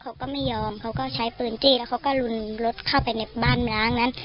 เขาก็ไม่ยอมเขาก็ใช้ปืนจี้แล้วเขาก็ลุนรถเข้าไปในบ้านล้างนั้น